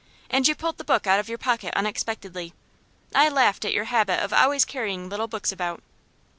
And you pulled the book out of your pocket unexpectedly. I laughed at your habit of always carrying little books about.